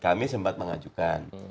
kami sempat mengajukan